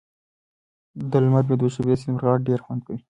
د لمر لوېدو شېبې د سیند پر غاړه ډېر خوند کوي.